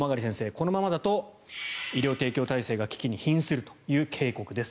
このままだと医療提供体制が危機に瀕するという警告です。